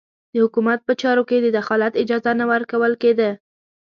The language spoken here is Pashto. د حکومت په چارو کې د دخالت اجازه نه ورکول کېده.